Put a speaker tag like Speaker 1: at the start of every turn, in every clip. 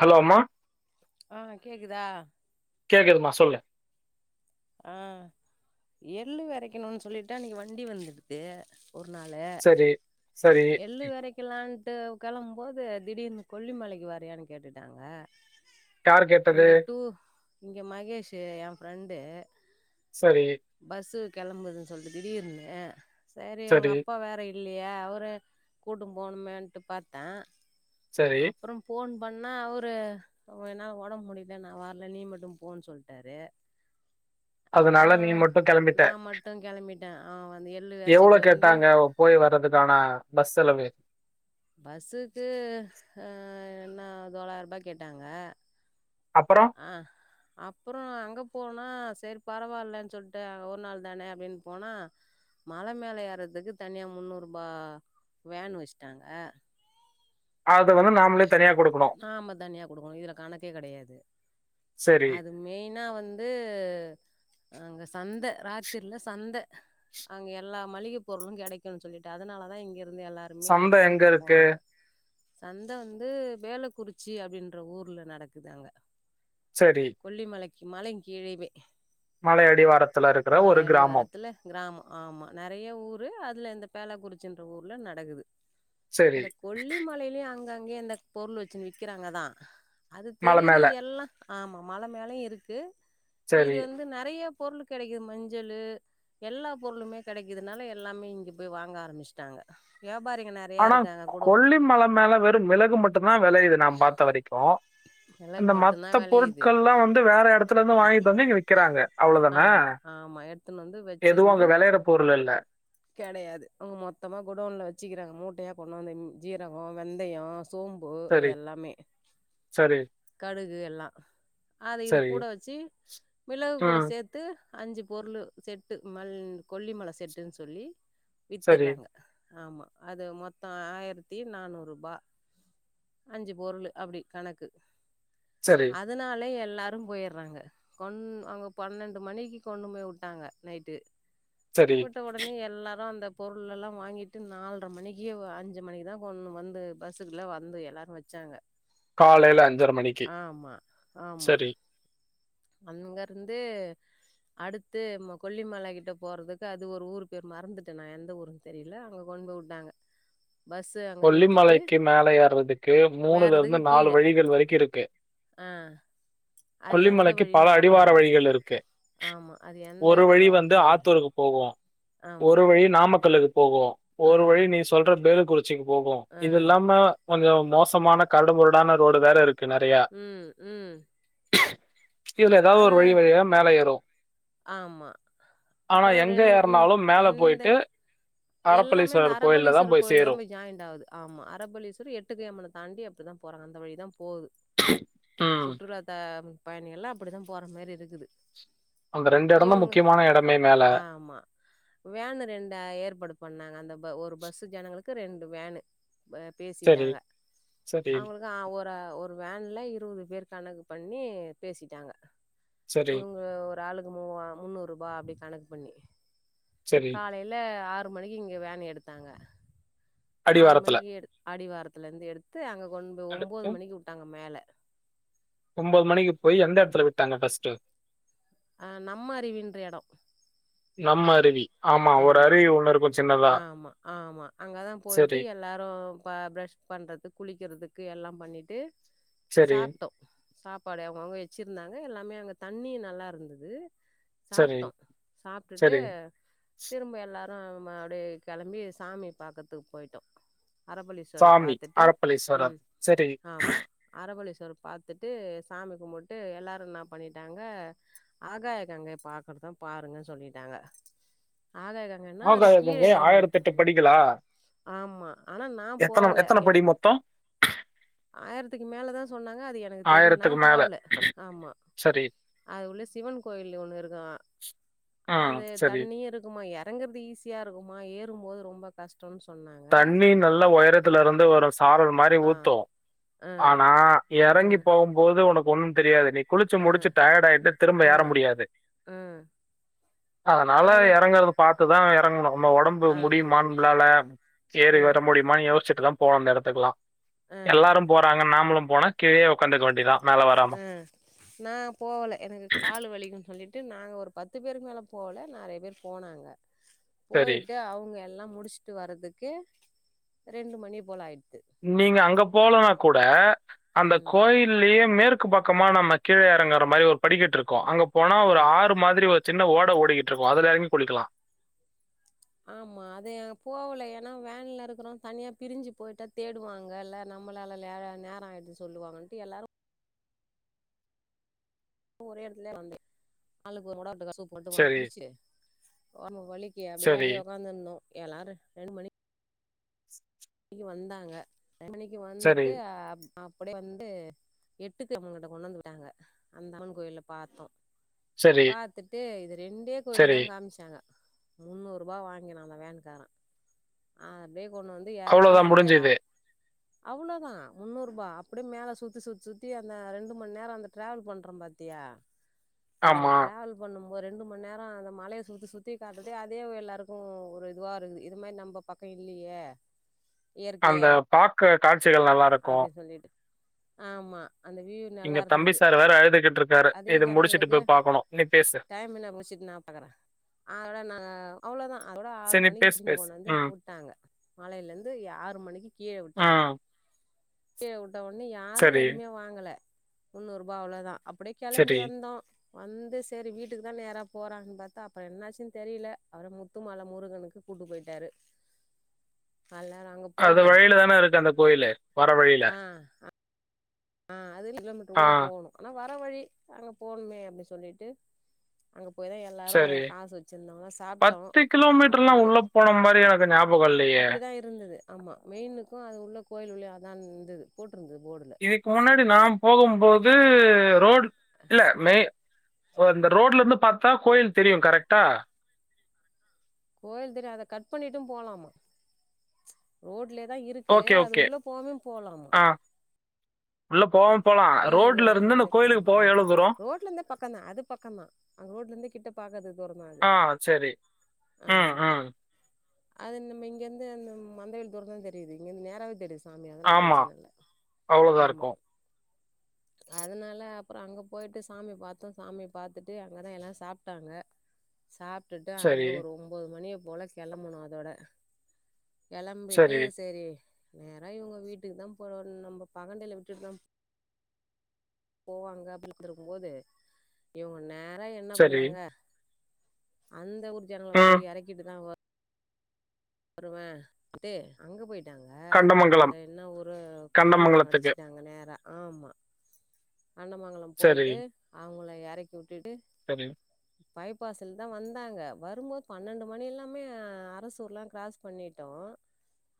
Speaker 1: Hello அம்மா
Speaker 2: ஆ கேக்குதா
Speaker 1: கேக்குதுமா சொல்லு
Speaker 2: ஆ எள்ளு விரைக்கணும்னு சொல்லிட்ட அன்னைக்கு வண்டி வந்துர்க்குது ஒரு நாளு
Speaker 1: சரி சரி
Speaker 2: எள்ளு விரைக்கலான்ட்டு கிளம்பும்போது திடீர்னு கொல்லிமலைக்கு வரியான்னு கேட்டுட்டாங்க
Speaker 1: யார் கேட்டது
Speaker 2: இங்க டூ இங்க மகேஷு எ ஃப்ரெண் தே
Speaker 1: சரி
Speaker 2: கிளம்புதுன்னு சொல்லிட்டு திடீர்னு சரி உங்க அப்பா வேற இல்லையா அவரு கூட்னு போணுமேன்ட்டு பாத்தே
Speaker 1: சரி
Speaker 2: அப்றோ ஃபோன் பண்ணா அவரு என்னால ஒடம்ப முடல நா வார்ல நீ மட்டு போனு சொல்லிட்டாரு அப்றோ
Speaker 1: அதனால நீ மட்டும்
Speaker 2: நா மட்டு கிளம்பிட் டே ஆவ் வ
Speaker 1: எவ்ளோ கேட்டாங்க போய் வர்றதுக்கான பஸ் செலவு
Speaker 2: பஸ்ஸுக்குஆ என்ன தொல்லாயிரோ ரூபா கேட்டாங்க
Speaker 1: அப்புறம்
Speaker 2: ஆ அப்பறோ அங்க போனா சரி பரவாயில்லன்னு சொல்லிட்டு ஒரு நாள் தானே அப்டின்னு போனா மல மேல ஏர்ரதுக்கு தனியா முன்னூறு ரூபா வேணு வச்சிட்டாங்க
Speaker 1: அதவந்து நாம்ளே
Speaker 2: ஆமா தனியா குடுக்கணு இதுல கணக்கே கடையாது
Speaker 1: சரி
Speaker 2: அது மெயினா வந்து அங்கஸ் சந்த ராத்திரில சந்த அங்க எல்லா மளிகை பொருளு கெடைக்குன்னு சொல்லிட்டு அதனாலதா இங்க இருந்து எல்லாருமே அந்த
Speaker 1: சந்தை எங்க
Speaker 2: டூருக்கு
Speaker 1: இருக்கு
Speaker 2: போனாங்க சந்த வந்து வேலக்குறிச்சி அப்டின்ற ஊர்ல நடக்குது அங்க
Speaker 1: சரி
Speaker 2: கொல்லிமலை கி மலைக் கீழேவே
Speaker 1: மலை அடிவாரத்துல இருக்கிற ஒரு
Speaker 2: மல
Speaker 1: கிராமம்
Speaker 2: அடிவாரத்துல கிராமோ ஆமா நெறைய ஊரு அது ல்ல இந்த வேலக்குறிச்சின்ற ஊர்ல நடக்குது
Speaker 1: சரி
Speaker 2: அந்த கொல்லிமலையிலயு அங்க அங்க அந்த பொருள் வச்சு விக்கிறாங்கதா அது
Speaker 1: மலை
Speaker 2: தெரியல
Speaker 1: மேல
Speaker 2: இது எல்லா ஆமா மல மேல இருக்கு
Speaker 1: சரி
Speaker 2: இது வந்து நெறைய பொருளு கெடைக்குது மஞ்சளு எல்லா பொருளுமே கெடைக்கறதுனால எல்லாமே இங்கே போய் வாங்க ஆரம்பிச்சட்டாங்க ஏ
Speaker 1: ஆனா க் க் கொல்லி மல மேல வெறு மிளகு மட் த்தம்னா வெளையுது நா பாத்த வரைக்கு
Speaker 2: வெளக்கு
Speaker 1: இந்த
Speaker 2: மட்டுந்தா
Speaker 1: மத்த
Speaker 2: வெளையுது
Speaker 1: பொருட்கள்லா வந்து வேற எடத்துல இருந்து வாங்கிட்டு வந்து இங்க விக்கிறாங்க அவ்ளவுதானே
Speaker 2: ஆமா ஆமா எடுத்துன்னு வந்து
Speaker 1: எதுவு
Speaker 2: வச்சிருந்து
Speaker 1: அங்க வெளையற பொருள் இல்ல
Speaker 2: கெடையாது அவங்க மொத்தமா குடோன்ல வச்சுக்கிறாங்க மூட்டையா போட்ணு அந்த ம் ஜீரகோ. வெந்தயோ சோம்பு
Speaker 1: சரி,
Speaker 2: இதெல்லாமே
Speaker 1: சரி,
Speaker 2: கடு கு எல்லா அத இது
Speaker 1: சரி.
Speaker 2: கூட வச்சு மிளகு கூட
Speaker 1: ம்.
Speaker 2: சேத்து அஞ்சு பொருளு செட்டு மல் கொல்லிமல செட்டுன்னு சொல்லி
Speaker 1: சரி,
Speaker 2: வித்தர்றாங்க ஆமா அது மொத்தோ ஆயிரத்தி நானூறுபா அஞ்சு பொருளு அப்டி கணக்கு
Speaker 1: சரி,
Speaker 2: அதனால எல் லாரு போயர்றாங்க கொண் அங்க பன்னெண்டு மணிக்கி கொண்டு போய் வுட்டாங்க நைட்டு
Speaker 1: சரி.
Speaker 2: விட்டவுடனே எல்லாரு அந்த பொருள் எல்லா வாங்கிட்டு நால்ர மணிக்கி அ அஞ்சு மணிக்குதா கொண்டு வந்து பஸ்ஸுக்குள்ள வந்து எல்லாரு வச்சாங்க
Speaker 1: காலேல அஞ்சரை மணிக்கு சரி
Speaker 2: அங்க இருந்து அடுத்து கொல்லிமல கிட்ட போறதுக்கு அது ஒரு ஊரு பேர் மறந்துட்டே நா எந்த ஊருன்னு தெரியல அங்க கொண்டு போய் விட்டாங்க
Speaker 1: கொல்லிமலைக்கு மேல ஏறுறதுக்கு மூனுல
Speaker 2: மேறதுக்கு
Speaker 1: இருந்து நாலு
Speaker 2: கீழ
Speaker 1: வழிகள் வரைக்கு இருக்கு
Speaker 2: ஆ அது எந்த
Speaker 1: கொல்லிமலைக்கு பல
Speaker 2: வழின்னு ஞாபக
Speaker 1: அடிவார
Speaker 2: இல்ல
Speaker 1: வழிகள் இருக்கு
Speaker 2: ஆமா அது எந்த
Speaker 1: ஒரு வழி
Speaker 2: அடிவாரன்னு
Speaker 1: வந்து
Speaker 2: தெரியல
Speaker 1: ஆத்தூருக்கு போகு
Speaker 2: ஆமா
Speaker 1: ஒரு வழி நாமக்கல்லு போகு‌
Speaker 2: ஆ
Speaker 1: ஒரு வழி நீ சொல்ற பேரு போகு
Speaker 2: ஆ
Speaker 1: இதுல்லாம கொஞ்சோ மோசமான கருடுமுரடான ரோடு வேற இருக்கு நெறையா.
Speaker 2: உம் உம்
Speaker 1: இதுல ஏதாவது ஒரு வழி வழியா மேல ஏறு
Speaker 2: ஆமா அப்றோ ரெ
Speaker 1: எங்க
Speaker 2: உ
Speaker 1: ஏறுனாலும் மேல
Speaker 2: எந்த
Speaker 1: போயிட்டு
Speaker 2: எல்லாமே அந்த
Speaker 1: அறப்பளீஸ்வரர் கோயில்ல தான்
Speaker 2: அரபலீஸ்வரர் கோயில
Speaker 1: சேரும்.
Speaker 2: தா போய் ஜாயி து ஆமா அரபலீஸ்வர எட்டுக்கு அம்மன தாண்டி அப்டிதா போறாங்க அந்த வழி தா போகுது
Speaker 1: ம்.
Speaker 2: சுட்டுலாதா பயணிகள் எல்லா அப்டிதா போகிற மாதிரி இருக்குது
Speaker 1: அந்த இடம் தான்
Speaker 2: இவுங்க
Speaker 1: முக்கியமான இடமே மேல.
Speaker 2: ஆமா வேனரெண்ட ஏற்பாடு பண்ணாங்க அந்த ஒரு பஸ்ஸு ஜனங்களுக்கு ரெண்டு வேனு
Speaker 1: சரி,
Speaker 2: பேசிட்டாங்க
Speaker 1: சரி,
Speaker 2: அவுங்களுக்கு ஆ ஒரு வேன்ல இருபது பேர் கணக்கு பண்ணி பேசிட்டாங்க
Speaker 1: சரி,
Speaker 2: இவுங்க ஒரு ஆளுக்கு மூவ முந்நூறுரூபா அப்டி கணக்கு பண்ணி
Speaker 1: சரி.
Speaker 2: காலேல ஆறு ஒரு மணிக்கு இங்க வேன் எடுத்தாங்க ஆறு
Speaker 1: அடிவாரத்துல.
Speaker 2: மணிக்கு எடு அடிவாரத்ல இருந்து எடுத்து அங்க ஒன் ஒன்பது மணிக்கு விட்டாங்க மேல
Speaker 1: ஒன்பது மணிக்கு போய் எந்த இடத்துல விட்டாங்க டஸ்ட்டு
Speaker 2: அஹ் நம்ம அறிவின்ற இடம
Speaker 1: நம்ம அருவி ஒரு
Speaker 2: ஆமா
Speaker 1: அருவி ஒண்ணு இருக்கும் சின்னதா.
Speaker 2: ஆமா ஆமா அங்கதான் போயிட்டு
Speaker 1: சரி,
Speaker 2: எல்லாரும் ப பரஷ் பண்றது குளிக்கிறதுக்கு க்கு எல்லாம் பண்ணிட்டு
Speaker 1: சரி,
Speaker 2: சாப்பிட்டோ சாப்பாடு அவங்கங்க வச்சு வச்ச இருந்தாங்க எல்லாமே அங்க தண்ணி நல்லா இருந்தது
Speaker 1: சரி,
Speaker 2: சாப்பிட்டோ சாப்பிட்டுட்டு
Speaker 1: சரி.
Speaker 2: திரும்ப எல்லா ம் அடிய கிளம்பி சாமி பாக்கத்துக்கு போயிட்டோ அரபழீஸ்வர
Speaker 1: சாமி,
Speaker 2: பாாரத்துட்டு
Speaker 1: அறப்பளீஸ்வரர்.
Speaker 2: உம்
Speaker 1: சரி.
Speaker 2: ஆமா அரபலீஸ் பாார்த்துட்டு சாமி கும்பிட்டு எல்லாரும் என்ன பண்ணிட்டாங்க ஆகாய கங்க பாார்கறதும் பாருங்கன்னு சொல்லிட்டாங்க ஆகாய கங்கனா அது கீழ
Speaker 1: ஆகாயகங்க
Speaker 2: எறங்கணு
Speaker 1: ஆயிரத்தி எட்டு படிகளா
Speaker 2: ஆமா ஆனா நா
Speaker 1: எத்தனை
Speaker 2: போவல
Speaker 1: எத்தனை
Speaker 2: எ
Speaker 1: படி மொத்தம்
Speaker 2: ஆயிரத்துக்கு மேலதான் சொன்னாங்க அது எனக்கு தெரிய
Speaker 1: மேல.
Speaker 2: போகல ஆமா
Speaker 1: சரி,
Speaker 2: அது சிவன் கோயில் ஒண்ணு இருக்கும்
Speaker 1: ம்.
Speaker 2: அது
Speaker 1: சரி.
Speaker 2: தண்ணி இருக்குமா இறங்கறிறது ஈஸியா இருக்கு இருபோது ரொம்ப கஷ்டம்
Speaker 1: தண்ணி நல்ல உயரத்துல இருந்து ஒரு சாரல் மாதிரி
Speaker 2: ஆ
Speaker 1: ஊத்தோம்
Speaker 2: ஆ
Speaker 1: ஆனா
Speaker 2: ஆ
Speaker 1: இறங்கி போகும்போது உனக்கு ஒண்ணும் தெரியாது நீக்கு குளிச்சு
Speaker 2: ஆ
Speaker 1: முடிச்சு டயர்ட் ஆயிட்டு திரும்ப
Speaker 2: ஆ
Speaker 1: ஏற முடியாது
Speaker 2: ஆ
Speaker 1: அதனால
Speaker 2: அது
Speaker 1: இறங்கறது ப்த்த தான் இறங்கணும் நம்ம உடம்பு
Speaker 2: ஆ
Speaker 1: முடியும்மாான்ளால ஏரி
Speaker 2: ஆ
Speaker 1: வர முடி மணி ர்ச்சட்டு தம்ப போனம் எடுத்துக்கலாம்
Speaker 2: ஆ
Speaker 1: எல்லாரும் போறாங்க நாமளும் போன கீழே உடாந்துக்க வேண்டிதான்
Speaker 2: அஹ் நான் போகலை எனக்கு காால் விக்கும்ன்னு சொல்லிட்டு விட்டு நாங்க ஒரு பத்து பேருக்கு மேல போல நிறைய பேர் போனாங்க
Speaker 1: சரி.
Speaker 2: போயிட்டு அவங்க எல்லாம் முடிச்சுட்டு வர்றதுக்கு ரெண்டு மணி போல ஆயிட்ட
Speaker 1: நீங்க அங்க போலன்னா கூட அந்த
Speaker 2: ம்
Speaker 1: கோயிலலயேம க்கு பக்கமா நம்ம கீழே அறங்குற மாதிரி ஒரு படிக்கட்டு இருக்கோ அங்க போனா ஒரு
Speaker 2: ம்
Speaker 1: ஆறு மாதிரி வச்ச சின்ன ஓடை ஓடிக்கிட்டு இருக்கோம் அதுல எயாருமே குளிக்கலாம்
Speaker 2: ஆமா அது எங்க போகல ஏன்னா வேன்ல இருக்கிறோம் தனியா பிரி்சு போயிட்டா தேடுவாங்க இல்ல நம்மளால நேரம் ஆயிடுச்சு சொல்லுவாங்கட்டு எல்லாரும் ஒரே இடத்துல வந்தேன் நாளுக்கு ஒருடட்டுக்க சூ போட்டு மாிரி
Speaker 1: சரி,
Speaker 2: குடிச்சு விக்கு அப்படியே
Speaker 1: சரி,
Speaker 2: அங்கேயே உக்காந்துருந்தோம் எல்லாும் ரெண்டு மணி அக்கு வந்தாங்க மணிக்கு
Speaker 1: சரி,
Speaker 2: வந்துட்டு அப்படியே வந்து எட்டுக்கு அவன்கிட்ட கொண்டு வந்து விட்டாங்க அந்த அம்மன் கோயிலல பார்த்தோம்
Speaker 1: சரி,
Speaker 2: பாாரத்துட்டு இது ரெண்டே கோயில
Speaker 1: சரி.
Speaker 2: தான் காமிச்சாங்க முன்னூறு ரூபாய் வாங்கினும் அந்த வேன்காரன் அப்படியே கொண்டு வந்து
Speaker 1: அவ்வளவுதான் முடிஞ்சது
Speaker 2: அவ்வளோதான் முன்னூறு ரூபா அப்டி மேல சுத்தி சுத்தி சுத்தி அந்த ரெண்டும்ம நேரோ அந்த டிராவல் பண்றோம் பாத்தியா அந்தர
Speaker 1: ஆமா.
Speaker 2: டிராவல் பண்ணும் ஒரு ரெண்டும்ம நேரோ அந்த மலைய சுத்தி சுத்தி காட்டுறதே அதே எல்லாருக்கும் ஒரு இதுவா இருக்குது இது மாரி நம்ம பக்கம் இல்லயே
Speaker 1: அந்த பாக்க காட்
Speaker 2: அப்டி சொல்லிட்டு ஆமா
Speaker 1: இங்க தம்பி சார் வேற அழுதுகிட்ருக்
Speaker 2: அதே ஜனங்களுக்கு டைம் என்ன பிடிச்சுட்டு நான் பாக்குறேன் அதோட நான் அவ்ளோதான் அதோட ஆறு
Speaker 1: சரி நீ
Speaker 2: மணிக்கு
Speaker 1: பேசு,
Speaker 2: திரும்பி
Speaker 1: பேசு.
Speaker 2: கொண்டு வந்து
Speaker 1: ம்.
Speaker 2: விட்டாங்க மலையில இருந்து ஆறு மணிக்கு கீழே விட்டாங்க
Speaker 1: ம்.
Speaker 2: [unintelligible] உண்ணு யாரும்
Speaker 1: சரி,
Speaker 2: எதுமே வாங்கல முன்னூறு ரூபா அவ்ளோதான் அப்டி கிளம்பி
Speaker 1: சரி.
Speaker 2: வந்தோம் வந்து சேரி வீட்டுக்கு தான் நேரா போறாங்கன்னு பார்த்தா அப்றோ என்னாச்சுன்னு தெரியல அவற முத்துமல முருகனுக்கு கூட்டு போயிட்டாரு எல்லாரு அங்க
Speaker 1: அது
Speaker 2: போயிட்டு
Speaker 1: வழில தானே இருக்கு அந்த கோயிலு வர வழில
Speaker 2: ஆ ஆ அதரு [inaudible] கிலோமீட்டர் உள்ள போணுஆனா வ ர வழி அங்க போணுமே அப்டின்னு சொல்லிட்டு அங்க போய் தா எல்லாரு
Speaker 1: சரி.
Speaker 2: காசு வச்சிருந்தோல சாப்ட்டோ
Speaker 1: கிலோமீட்டர்லாம்
Speaker 2: சாப்ட்டுட்டு
Speaker 1: உள்ள போன மாரி எனக்கு ஞாபகம் இல்லையே!
Speaker 2: அப்டிதா இருந்தது ஆமா மெயினுக்கு அது உள்ள கோயில் உள்ள அதா து து போட் தது போர்டுல
Speaker 1: இதுக்கு முன்னாடி நா போகும்போது ரோட் இல்ல மே ஓ இந்த ரோட்ல இருந்து பாத்தா கோயில் தெரியு கரெக்டா
Speaker 2: கோயில் தெரியு அத கட் பண்ணிட்டு போலாமா ரோட்லே தா இருக்கு
Speaker 1: ஓகே,
Speaker 2: அது
Speaker 1: ஓகே.
Speaker 2: உள்ள போனா போலாமா
Speaker 1: ஆ. உள்ள போம்
Speaker 2: கோயில போதே போனல
Speaker 1: தூரம்?
Speaker 2: ரோட்ல இருந்தே பக்கம் தா அது பக்கம்தா அங்க ரோட்ல இருந்தே கிட்ட பாக்காதது
Speaker 1: ஆ சேரி உ
Speaker 2: ஆமா
Speaker 1: உ
Speaker 2: அது நம்ம இங்கிருந்து அந்த மந்தவ தூரம்தா தெரியுது இங்க நேராவே தெரியுது சாமி அதெல்லா
Speaker 1: ஆமா.
Speaker 2: பிரச்சன இல்ல
Speaker 1: அவ்வளோதான்
Speaker 2: ஆமா
Speaker 1: இருக்கும்.
Speaker 2: அதனால அப்பறோ அங்க போயிட்டு சாமி பாத்தோ சாமி பாத்துட்டு அங்கதா எல்லா சாப்பிட்டாங்க சாப்ட்டுட்டு அங்க
Speaker 1: சரி,
Speaker 2: ஒரு ஒன்பது மணிய போல கிளம்புனோ அதோட களம்பிட்டு சரி நேற இவங்க வீட்டுக்கு தா போறோ நம்ம பகண்டையில விட்டுட்டீதா போவாங்க அப்டிட்டு இருக்கும் போோது இவங்க நே தா என்ன
Speaker 1: சரி.
Speaker 2: பண்ணாங்க அந்த ஒரு ல
Speaker 1: ம்.
Speaker 2: போய் எறக்கிட்டு தா வரு வருவே அப்டே அங்க போயட்டு ங்க அந்த
Speaker 1: கண்டமங்கலம்.
Speaker 2: என்ன ஒரு கண்டமங்கள
Speaker 1: கண்டமங்கலத்துக்கு.
Speaker 2: அடிச்சிட்டாங்க நேரா ஆமா அண்ணமங்கலம்
Speaker 1: சரி,
Speaker 2: போயிட்டு அவங்கள எல்லாரயு கூட்டிட்டு
Speaker 1: சரி
Speaker 2: பைபாஸ்ல தா வந்தாங்க வரும்போது பன்னெண்டு மணி எல்லாமே அரசூர்லா கிராஸ் பண்ணிட்டோம்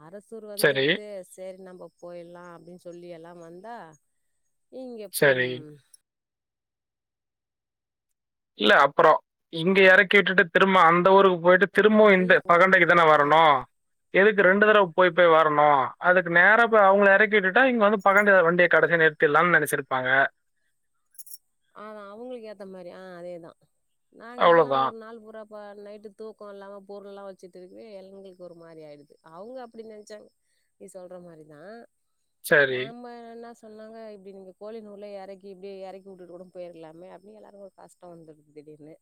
Speaker 2: அரசூர்
Speaker 1: சரி,
Speaker 2: வந்துட்டு சரி நம்ம போயிடலாம் அப்படின்னு சொல்லி எல்லாம் வந்தா இங்க
Speaker 1: சரி. இல்ல அப்புறம் இங்க இறக்கி விட்டுட்டு திரும்ப அந்த ஊருக்கு போயிட்டு திரும்ப இ
Speaker 2: நெறைய
Speaker 1: பகண்டைக்கு
Speaker 2: கூட்டுனு
Speaker 1: தானே
Speaker 2: வந்தாளா
Speaker 1: வரணும் எதுக்கு ரெண்டு தடவை போய் போய் வரணும் அதுக்கு நேர அவளை இறக்கி விட்டுாங்கந்து வண்டிய கடைசி நிறுத்திடலாம்னு நினைச்சிருப்பாங்க
Speaker 2: ஆான் அவங்களுக்கு ஏத்த மாதிரி ஆஹ் அதேதான் நாங்க எல்லாம்
Speaker 1: அவ்வளோதான்.
Speaker 2: ஒரு நால பு அப்ப நைட்டு தூக்கம் இல்லாம பொருள் எல்லாம் வச்சுட்டு இருக்குவே இளைங்களுக்கு ஒரு மாதிரி ஆயிடுது அவங்க அப்படி நினைச்சாங்க நீ சொல்ற மாதிரிதான்
Speaker 1: சரி,
Speaker 2: நம என்ன சொன்னாங்க இப்படி நீங்க கோழி நூ உள்ள இறக்கி இப்படி இறக்கி வீட்டிட்டு கூட போயிருலாமே அப்படின்னு எல்லாரும் ஒரு கஷ்டம் வந்துடுது திடீர்னு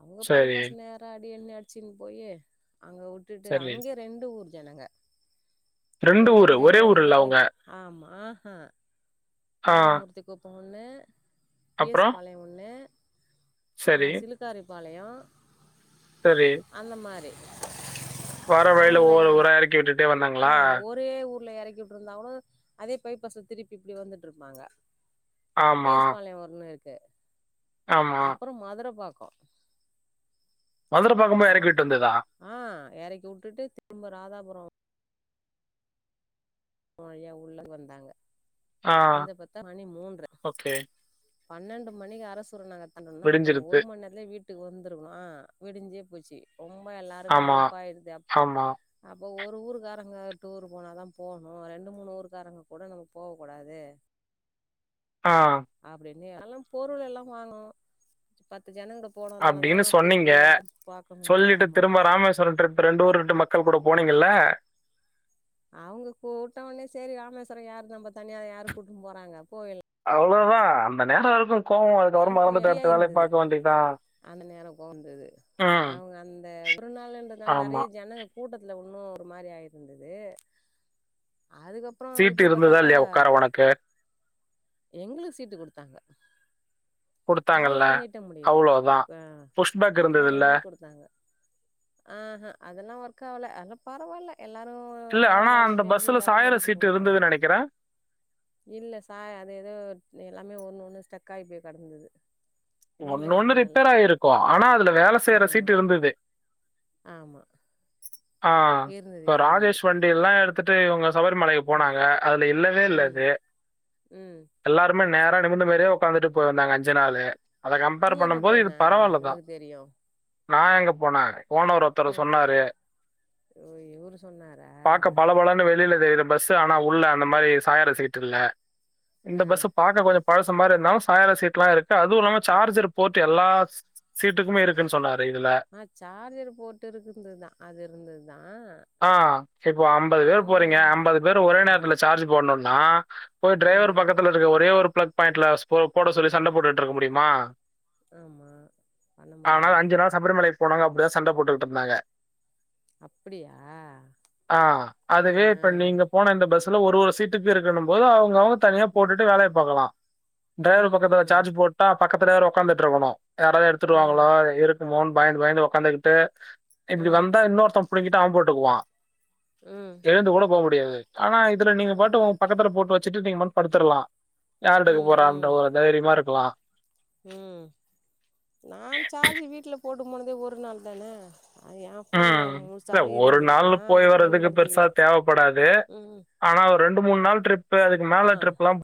Speaker 2: அவங்க
Speaker 1: சரி,
Speaker 2: பைபசம் நேரம் அ அப்படி என்ன அடிச்சின்ன்னு போயே அங்க விட்டுட்டு
Speaker 1: சரி.
Speaker 2: அங்கே ரெண்டு ஊர் ஜனங்க கொஞ்சம்
Speaker 1: ஊரு.
Speaker 2: பேரு
Speaker 1: ஒரே ஊர் இல்ல
Speaker 2: வந்து
Speaker 1: அவங்க.
Speaker 2: ஆமா ஆஹ்
Speaker 1: ஆ.
Speaker 2: தாண்டமூர்த்திக்குப்போம் ஒண்ணு பேஸ்
Speaker 1: அப்புறம்?
Speaker 2: பாளையம் ஒண்ணு ஆ
Speaker 1: சரி,
Speaker 2: சிலுக்காரு பழையம்
Speaker 1: சரி.
Speaker 2: அந்த மாரி
Speaker 1: வர வழியில ஒவ்வொரு உரம் இக்கி விட்டுட்டே வந்தாங்களா
Speaker 2: தே ஊர்ல இறக்கிவுட்ருந்தாளும் அதே பை பச திருப்பி இப்படி வந்துட்டு இருப்பாங்க பி
Speaker 1: ஆமா,
Speaker 2: எஸ் பாளையன் ஒன்னு இருக்கு க
Speaker 1: ஆமா.
Speaker 2: அப்புறம் மதுரை [inaudible]
Speaker 1: மதுர பாக்கும்போது எறக்கி
Speaker 2: அஹ்
Speaker 1: விட்டு வந்ததா?
Speaker 2: ஆஹ் இறைக்கி உட்டுட்டு திரும்ப ராதாபுரம் உள்ள வந்தாங்க
Speaker 1: ஆ
Speaker 2: வந்து பாத்தா மணி மூன்ற
Speaker 1: ஓகே
Speaker 2: பன்னெண்டு மணிக்கு நாங்க அப்ப நா
Speaker 1: விடிஞ்சிருத்து.
Speaker 2: ஒரு மணி நேரத்தலே வீட்டுக்கு வந்துருவன் விடிஞ்சே போச்சு ரொம்ப எல்லாருக்கும்
Speaker 1: ஆமா,
Speaker 2: அழுப்பாயிருது அப்
Speaker 1: ஆமா.
Speaker 2: அப் இப்போ ஒரு ஊருக்காரங்க டூர் போனா தான் போணும் ரெண்டு மூணு ஊர்கக்காரங்க கூட நம்ம போகக்கூடாது
Speaker 1: ஆ
Speaker 2: எல்லாம் பொருள் எல்லாம் வாங்கும் பத்
Speaker 1: அப்படின்னு சொன்னீங்க
Speaker 2: பாக்க முடிஞ்சுது
Speaker 1: சொல்லிட்டு
Speaker 2: ஆமா
Speaker 1: திரும்ப ராமேஸ்வரம் ரெண்டு ஊரு ரெண்டு மக்கள் கூட போ போனீங்கல்ல
Speaker 2: அவங்க கூட்டவடனே சரி ராமேஸ்வரம் யாரு நம்ம தனிய யாரு கூட்டு போறாங்க போயி
Speaker 1: அவ்வளோதான் அந்த நேரம் கோவம் அதுக்கப்புறம் மறந்துட்டு
Speaker 2: [unintelligible]
Speaker 1: அடுத்த வேலைய
Speaker 2: இருந்தது
Speaker 1: பாக்க வேண்டியதுதான்.
Speaker 2: அந்த நேரம் கொந்தது
Speaker 1: ம்.
Speaker 2: அவங்க அந்த ஒரு நாள்ன்றதுனால நிறைய
Speaker 1: ஆமா.
Speaker 2: ஜனங்கள் கூட்டத்துல ஒன்னும் ஒரு மாதிரி ஆயிருந்தது அதுக்கப்புறம்
Speaker 1: சீட்டு இருந்ததா
Speaker 2: இப்பப்த்தாக்கா
Speaker 1: இல்லையா உட்கார உனக்கு?
Speaker 2: எங்களுக்கு சீட்டு கொடுத்தாங்க
Speaker 1: குடுத்தாங்கல்ல.
Speaker 2: கால்லாம் நீட்ட முடியல
Speaker 1: அவ்வளோதான். புஷ் பேக்
Speaker 2: எல்லாம் ஆ
Speaker 1: இருந்ததுல்ல?
Speaker 2: எங்களுக்கு கொடுத்தாங்க ஆஹ்ஹ அதெல்லாம் ஒர்க் ஆகல அதல்லா பரவாயில்ல எல்லாரும் இடம்
Speaker 1: ஆனா
Speaker 2: இல்ல
Speaker 1: அந்த
Speaker 2: இருந்தப்ப
Speaker 1: பஸ்ல
Speaker 2: எங்களுக்கு இடம்
Speaker 1: சாயற
Speaker 2: ஒதுக்கி
Speaker 1: சீட்டு
Speaker 2: கொடுத்தாங்க
Speaker 1: இருந்ததுன்னு நெனைக்கிறேன்.
Speaker 2: இல்ல சாய அது எதோ எல்லாமே ஒன்னும் [unintelligible] கடந்தது
Speaker 1: ஒன்னொன்னு
Speaker 2: பண்ணல
Speaker 1: ரிப்பேர் ஆயிருக்கோ ஆனா அதுல வேல சேற
Speaker 2: ஆமா
Speaker 1: சீட்டு இருந்துது
Speaker 2: ஆமா
Speaker 1: ஆஹ்
Speaker 2: இருந்தது
Speaker 1: இப்ப
Speaker 2: இருந்தது
Speaker 1: ராஜேஷ் வண்டி எல்லா எடுத் துட்டு இவங்க சபரிமலைக்கு போனாங்க அதுல
Speaker 2: ம்
Speaker 1: இல்லவேயில்லது
Speaker 2: ம்
Speaker 1: எல்லாருமே நேரா தகுந்தமாறியே ஒக்காந்துட்டு போயிருந்தாங்க அஞ்சு நாளு அத
Speaker 2: நீ
Speaker 1: கம்பேர்
Speaker 2: எப்ப
Speaker 1: பண்ணும்போது இது
Speaker 2: போன அதுல
Speaker 1: பரவாயில்லதா
Speaker 2: உனக்கு தெரியு
Speaker 1: நா எங்க போனே போன ஒரு ஒருத்தர்
Speaker 2: ம்
Speaker 1: சொன்னாரு
Speaker 2: ஓ இவரு சொன்னாரா
Speaker 1: பார்க்க பல பலன்னு வெளியில இது பஸ் ஆனா உள்ள அந்த மாரி சாயிர சீட்டுயில்ல இந்த
Speaker 2: ம்
Speaker 1: பஸ் பார்க்க கொஞ்சோ பழசு மாரி இருந்தாலோ சாயிர சீட்லாயிருக்கு அதுவு இல்லாம சார்ஜர் போட்டுயெல்லா
Speaker 2: ஆஹ் சார்ஜர் போட்டு இருக்குதுதா அது இருந்துதுதா
Speaker 1: ஆஹ் இப்போ அம்பது பேர் போறீங்க அம்பது பேர் ஒரே நேரத்துல
Speaker 2: ஆமா
Speaker 1: சார்ஜ் போடணோ னா போய்
Speaker 2: ஆ
Speaker 1: டிரைவர் பக்கத்துல இருக்க ஒரே ஒரு பிளக் பாயிண்ட்ல போட சொல்லி சண்ட போட்டுட்டுயிருக்க முடியுமா
Speaker 2: ஆமா பண்ண
Speaker 1: ஆனால
Speaker 2: முடியாது
Speaker 1: அஞ்சு நாள் சபரிமலை போனாங்க அப்டிதா சண்ட போட்டுக்குட்டு இருந்தாங்க
Speaker 2: அப்படியா
Speaker 1: ஆஹ்
Speaker 2: ஆ ஆ
Speaker 1: அதுவே இப்ப நீங்க போன இந்த பஸ் ஒரு ஒரு சீட்டுக்கு இருக்குன்னு போது அவங்க அவங்க தனியா போட்டுட்டு வேலைய பாக்கலா
Speaker 2: ம்
Speaker 1: டிரைவர் பக்கத்துல
Speaker 2: ம்
Speaker 1: சார்ஜ் போட்டா பக்கத்துல வேற ஒக்காந்துட்டு இருக்கணோ யாராவது எடுத்துடுவாங்களா
Speaker 2: ம்
Speaker 1: இருக் குமோன்னு பயந்து -பயந்து ஒக்காந்துக்குட்டு இப்டி
Speaker 2: ம்
Speaker 1: வந்தா இன்னொருத்தன் புடிங்கிட்டு அவன் போட்டுக்குவான்
Speaker 2: ம்
Speaker 1: எழுந்து கூட போ மு டியாது ஆனா இதுல நீங்க
Speaker 2: ம்
Speaker 1: பாட்டு உங்க பக்கத்துல போட்டு வெ ச்சுட்டு நீங்க பாட்டுனு படுத்தடலா
Speaker 2: ம்
Speaker 1: யாரக்கு போற அ ஒரு தைரியமா இரு வா
Speaker 2: உம் நான் சார்ஜி வீட்டுல போட்டு போனதே ஒரு நாள் தானே அது என்
Speaker 1: உம்
Speaker 2: ஃபோனில்
Speaker 1: இ
Speaker 2: முழுசாவே
Speaker 1: ஒரு
Speaker 2: இருந்தது
Speaker 1: நாள்
Speaker 2: நான்
Speaker 1: போய்
Speaker 2: அதை
Speaker 1: வரதுக்கு பெருசா
Speaker 2: பயன்படுத்திக்கல
Speaker 1: தேவைப்படாது
Speaker 2: ம்
Speaker 1: ஆனா ரெண்டு மூன் நாள் ட்ரிப் இப்ப அதுக்கு
Speaker 2: ஆ
Speaker 1: மேல ட்ரிப்லாம்